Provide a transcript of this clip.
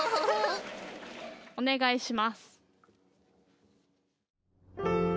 ・お願いします。